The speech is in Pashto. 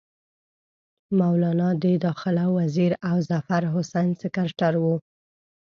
مولنا د داخله وزیر او ظفرحسن سکرټر وو.